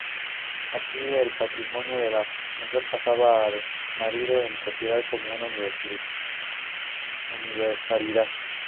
Aquí el patrimonio de la mujer pasaba al marido en propiedad como una universalidad.